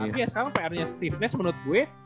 tapi ya sekarang pr nya stafness menurut gue